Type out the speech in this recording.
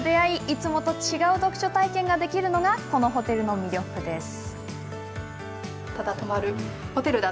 いつもと違う読書体験ができるのがこのホテルの魅力です。